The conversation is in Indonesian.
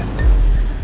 tunggu aku mau cari